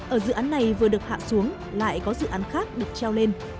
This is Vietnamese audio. ở dự án này vừa được hạ xuống lại có dự án khác được treo lên